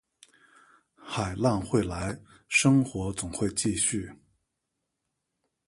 海浪会来，生活总会继续